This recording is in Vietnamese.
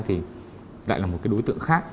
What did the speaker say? thì lại là một cái đối tượng khác